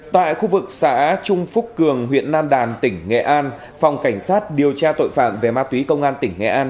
tại khu vực xã trung phúc cường huyện nam đàn tỉnh nghệ an phòng cảnh sát điều tra tội phạm về ma túy công an tỉnh nghệ an